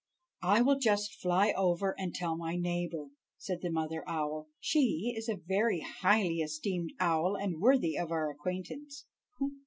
"I will just fly over and tell my neighbor," said the mother owl; "she is a very highly esteemed owl, and worthy of our acquaintance."